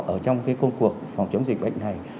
ở trong công cuộc phòng chống dịch bệnh này